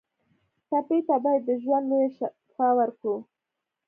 ټپي ته باید د ژوند لویه شفا ورکړو.